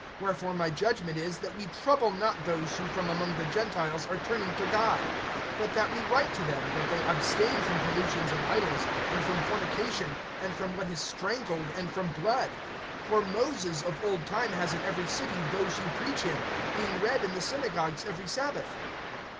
(19)Wherefore my judgment is, that we trouble not those who from among the Gentiles are turning to God; (20)but that we write to them, that they abstain from pollutions of idols, and from fornication, and from what is strangled, and from blood. (21)For Moses of old time has in every city those who preach him, being read in the synagogues every sabbath.